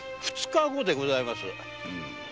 二日後でございます。